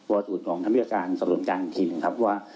วอสูตรของทำเบียบการสรุปการณ์ทีหนึ่งครับว่า